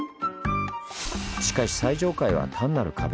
しかし最上階は単なる壁。